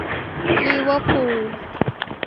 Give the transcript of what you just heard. ลิเวอร์พูล